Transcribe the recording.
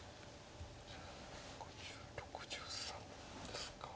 ５０６３ですか。